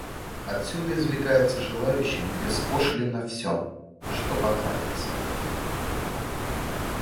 Отсюда извлекается желающим беспошлинно все, что понравится.